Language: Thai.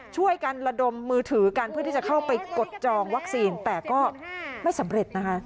ช่วยกันระดมมือถือกันเพื่อที่จะเข้าไปกดจองวัคซีนแต่ก็ไม่สำเร็จนะคะ